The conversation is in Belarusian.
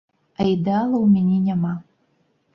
А ідэала ў мяне няма.